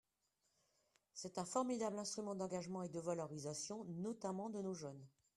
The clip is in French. C’est un formidable instrument d’engagement et de valorisation, notamment de nos jeunes.